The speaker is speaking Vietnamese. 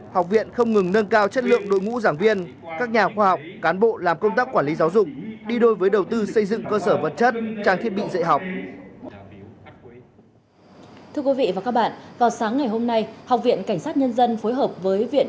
học viện cảnh sát nhân dân đã huy động gần hai cán bộ giảng viên